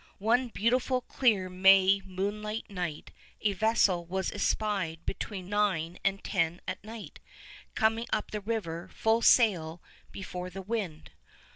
One beautiful clear May moonlight night a vessel was espied between nine and ten at night coming up the river full sail before the wind.